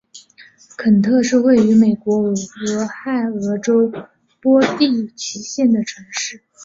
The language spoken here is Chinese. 肯特是位于美国俄亥俄州波蒂奇县的城市。